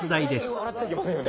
笑っちゃいけませんよね。